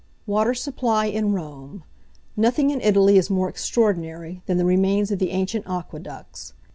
WATER SUPPLY IN ROME. Nothing in Italy is more extraordinary than the remains of the ancient aqueducts.